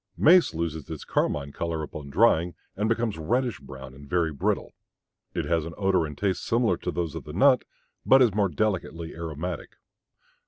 Mace loses its carmine color upon drying and becomes reddish brown and very brittle. It has an odor and taste similar to those of the nut, but is more delicately aromatic.